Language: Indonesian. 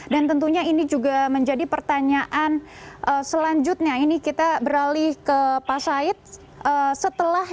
dan tentunya ini juga menjadi pertanyaan selanjutnya ini kita beralih ke pak said setelah